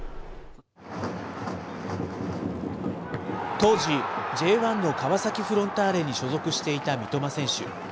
当時、Ｊ１の川崎フロンターレに所属していた三笘選手。